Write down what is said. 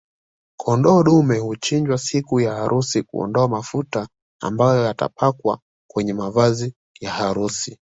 Kondoo dume huchinjwa siku ya harusi kuondoa mafuta ambayo yatapakwa kwenye mavazi ya harusi